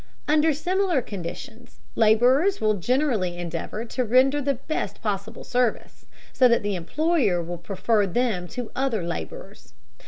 Under similar conditions, laborers will generally endeavor to render the best possible service, so that the employer will prefer them to other laborers.